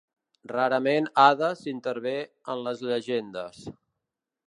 Rarament Hades intervé en les llegendes.